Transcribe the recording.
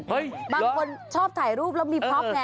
บางคนชอบถ่ายรูปแล้วมีนะ